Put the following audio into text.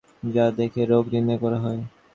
যা দেখে রোগ নির্ণয় করা হয়।